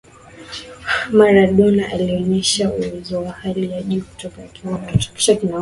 Maradona alionesha uwezo wa hali ya juu kutoka akiwa mtoto